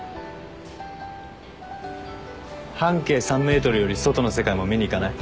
半径３ｍより外の世界も見に行かない？